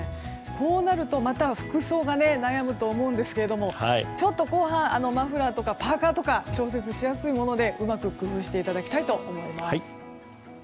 こうなると、また服装が悩むと思うんですがちょっと後半マフラーとかパーカなど調節しやすいものでうまく工夫していただきたいと思います。